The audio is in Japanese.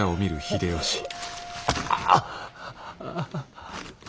あっ。